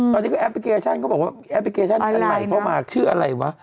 ตอนนี้แอปพลิเกชชันเขาบอกว่าแอปพลิเกชชันอาลัยเขามาชื่ออะไรวะ